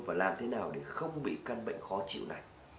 và làm thế nào để không bị căn bệnh khó chịu này